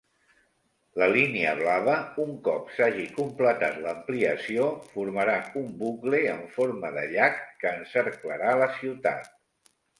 La línia blava, un cop s'hagi completat l'ampliació, formarà un bucle en forma de llaç que encerclarà la ciutat.